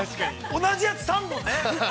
同じやつ３本ね。